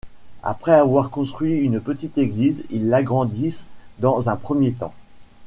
Après avoir construit une petite église, ils l'agrandissent dans un premier temps.